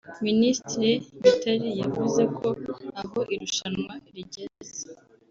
Minisitiri Mitali yavuze ko aho irushanwa rigeze